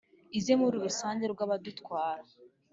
Ize mu rusange rw'abadutwara,